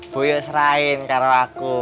bu yo serahin kalau aku